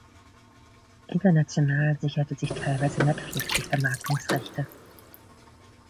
International sicherte sich teilweise Netflix die Vermarktungsrechte.